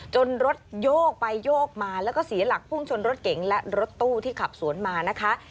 รถโยกไปโยกมาแล้วก็เสียหลักพุ่งชนรถเก๋งและรถตู้ที่ขับสวนมานะคะ